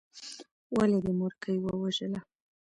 ولې دې مورکۍ ووژله.